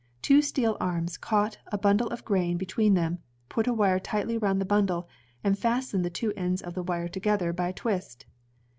Two steel arms caught a bundle of grain between them, put a wire tightly aroimd the bundle, and fastened the two ends of the wire together by a twist.